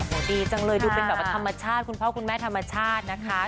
โอ้โหดีจังเลยดูเป็นแบบว่าธรรมชาติคุณพ่อคุณแม่ธรรมชาตินะคะ